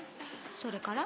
それから？